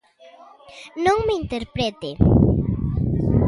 Non me interprete.